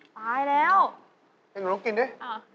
ตายแล้วให้หนูลองกินดิ